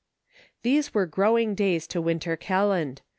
These were growing days to Win ter Kelland.